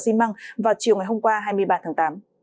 xi măng vào chiều ngày hôm qua hai mươi ba tháng tám